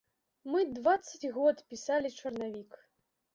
Мы дваццаць год пісалі чарнавік!